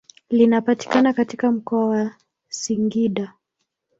Linapatikana katika mkoa wa Singida.